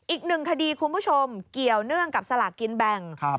อีกหนึ่งคดีคุณผู้ชมเกี่ยวเนื่องกับสลากกินแบ่ง